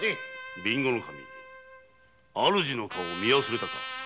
備後守主の顔を見忘れたか。